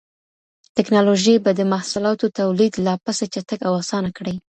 ټکنالوژي به د محصولاتو توليد لا پسې چټک او اسانه کړي.